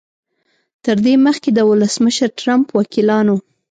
تر دې مخکې د ولسمشر ټرمپ وکیلانو